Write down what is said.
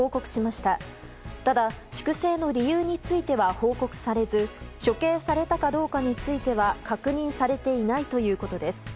ただ、粛清の理由については報告されず処刑されたかどうかについては確認されていないということです。